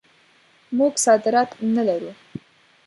موږ صادرات نه لرو.